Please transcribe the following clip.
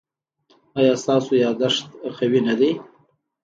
ایا ستاسو یادښت قوي نه دی؟